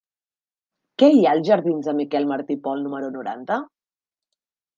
Què hi ha als jardins de Miquel Martí i Pol número noranta?